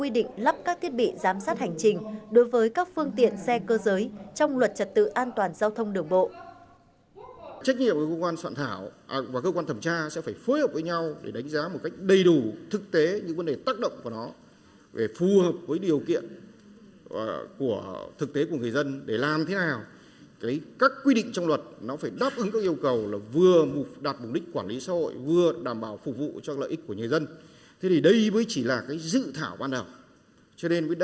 đối với các phương tiện xe cơ giới trong luật trật tự an toàn giao thông đường bộ